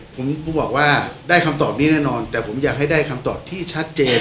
ผมก็บอกว่าได้คำตอบนี้แน่นอนแต่ผมอยากให้ได้คำตอบที่ชัดเจน